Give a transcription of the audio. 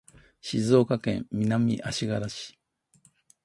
静岡県南足柄市